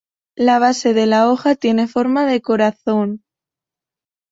La base de la hoja tiene forma de corazón.